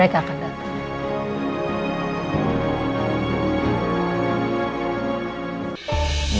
mereka akan datang